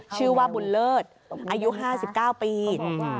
ชื่อว่าบุญเลิศอายุห้าสิบเก้าปีอืม